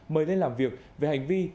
mời lên làm việc về hành vi